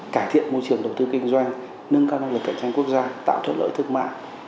cải thiện môi trường đầu tư kinh doanh nâng cao năng lực cạnh tranh quốc gia tạo thuận lợi thương mại